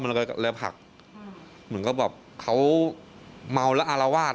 มันก็เลยผลักเหมือนกับแบบเขาเมาแล้วอารวาส